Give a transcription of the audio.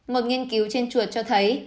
một nghiên cứu trên chuột cho thấy